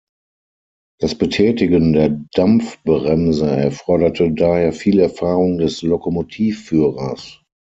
Das Betätigen der Dampfbremse erforderte daher viel Erfahrung des Lokomotivführers.